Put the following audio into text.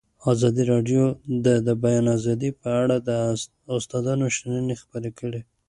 ازادي راډیو د د بیان آزادي په اړه د استادانو شننې خپرې کړي.